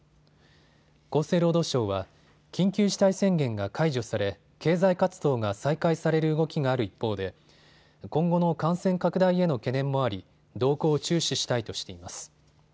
厚生労働省は緊急事態宣言が解除され経済活動が再開される動きがある一方で今後の感染拡大への懸念もあり動向を注視したいとしています。